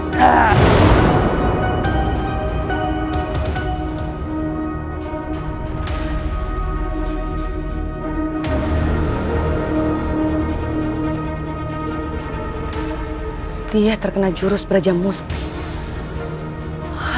selamat tinggal saat tubuhmu sudah terus pandang ketua